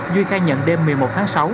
duy khai nhận đêm một mươi một tháng sáu